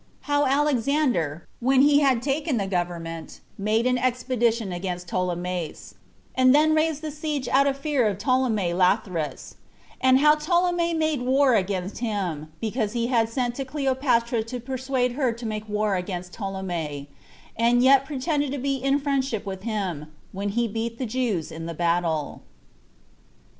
How Alexander When He Had Taken The Government Made An Expedition Against Ptolemais, And Then Raised The Siege Out Of Fear Of Ptolemy Lathyrus; And How Ptolemy Made War Against Him, Because He Had Sent To Cleopatra To Persuade Her To Make War Against Ptolemy, And Yet Pretended To Be In Friendship With Him, When He Beat The Jews In The Battle.